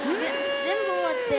全部終わって。